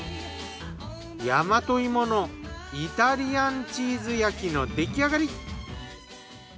大和芋のイタリアンチーズ焼きの出来上がり。